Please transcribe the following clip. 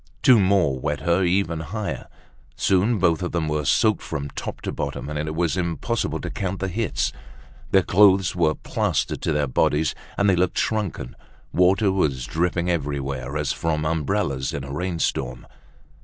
Two more wet her even higher. Soon both of them were soaked from top to bottom and it was impossible to count the hits. Their clothes were plastered to their bodies and they looked shrunken. Water was dripping everywhere as from umbrellas in a rainstorm.